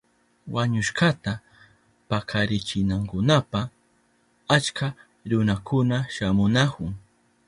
Wañushkata pakarichinankunapa achka runakuna shamunahun.